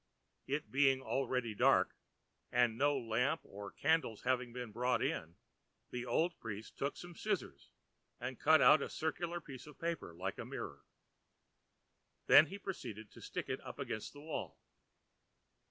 It being already dark, and no lamp or candles having been brought in, the old priest took some scissors and cut out a circular piece of paper like a mirror, which he proceeded to stick against the wall.